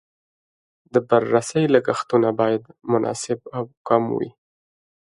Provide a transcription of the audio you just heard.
د بررسۍ لګښتونه باید مناسب او کم وي.